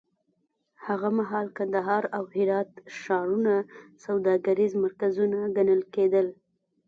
هغه مهال کندهار او هرات ښارونه سوداګریز مرکزونه ګڼل کېدل.